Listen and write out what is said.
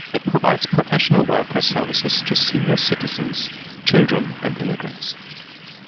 It provides professional welfare services to senior citizens, children and immigrants.